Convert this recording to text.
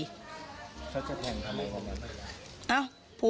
ฉันจะแทงทำไมกับมันได้หรือเปล่า